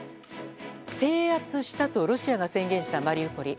制圧したとロシアが宣言したマリウポリ。